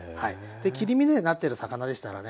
切り身でなってる魚でしたらね